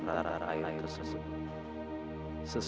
tidak ada alasan ketika hidupmu threat